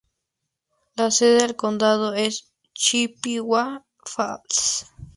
La sede del condado es Chippewa Falls.